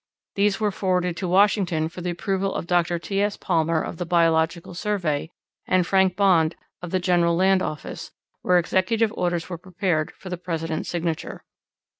These were forwarded to Washington for the approval of Dr. T. S. Palmer of the Biological Survey, and Frank Bond, of the General Land Office, where executive orders were prepared for the President's signature.